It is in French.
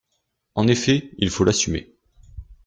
En effet ! Il faut l’assumer.